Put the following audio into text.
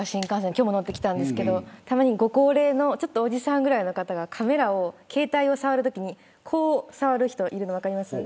今日も乗ってきたんですけどご高齢のおじさんぐらいの方が携帯を触るときにこう触る人がいるの分かりますか。